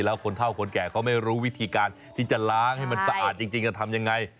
แล้วคนเท่าคนแก่เขาไม่รู้วิธีการที่จะล้างให้มันสะอาดจริงจะทำยังไง